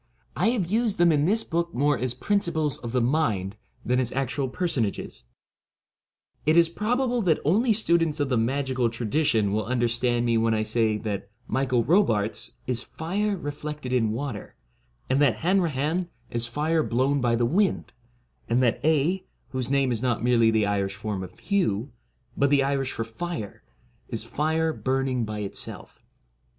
I have used them in this book more as principles of the mind than as actual personages. It is probable that only students of the magical tradition will under stand me when I say that ' Michael Robartes ' is fire reflected in water, and that Hanrahan is fire blown by the wind, and that Aedh, whose name is not merely the Irish form of Hugh, but the Irish for fire, is fire burning by itself.